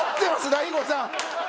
大悟さん！